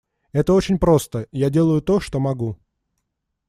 Это очень просто: я делаю то, что могу.